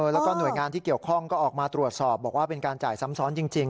แล้วก็หน่วยงานที่เกี่ยวข้องก็ออกมาตรวจสอบบอกว่าเป็นการจ่ายซ้ำซ้อนจริง